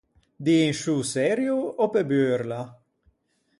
Dî in sciô serio ò pe burla?